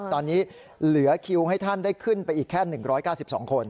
ตอนนี้เหลือคิวให้ท่านได้ขึ้นไปอีกแค่๑๙๒คน